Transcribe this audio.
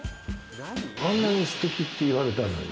あんなにステキって言われたのに。